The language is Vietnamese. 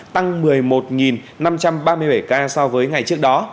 tăng một mươi một năm trăm ba mươi bảy ca so với ngày trước đó